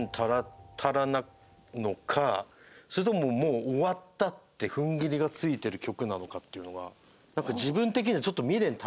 それとももう終わったって踏ん切りがついてる曲なのかっていうのが。